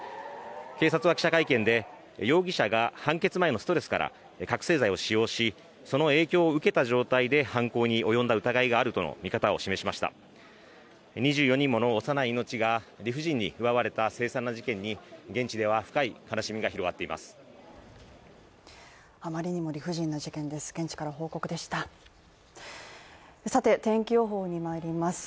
警察は記者会見で容疑者が判決前のストレスから覚醒剤を使用し、その影響を受けた状態で犯行に及んだ疑いがあるとの見方を示しました２４人もの幼い命が理不尽に奪われた凄惨な事件に、現地では深い悲しみが広がっています。